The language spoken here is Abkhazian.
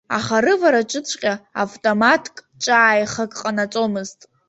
Аха, рывараҿыҵәҟьа автоматк ҿааихак ҟанаҵомызт.